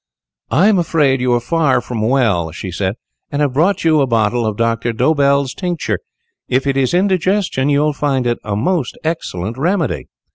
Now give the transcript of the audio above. "I am afraid you are far from well," she said, "and have brought you a bottle of Doctor Dobell's tincture. If it is indigestion, you will find it a most excellent remedy."